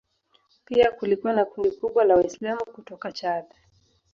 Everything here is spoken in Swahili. Pia kulikuwa na kundi kubwa la Waislamu kutoka Chad.